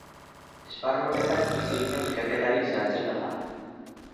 Esparru honetan inoiz egin den ikerketarik zehatzena da.